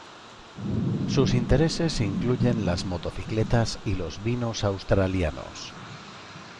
Sus intereses incluyen las motocicletas y los vinos australianos.